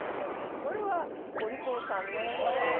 これは、お利口さんね。